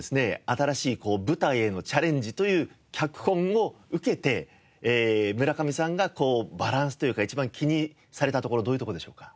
新しい舞台へのチャレンジという脚本を受けて村上さんがバランスというか一番気にされたところどういうところでしょうか？